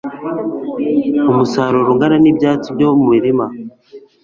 umusaruro ungane n’ibyatsi byo mu mirima